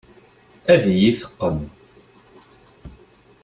Ad iyi-teqqen.